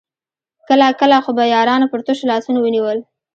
کله کله خو به يارانو پر تشو لاسونو ونيول.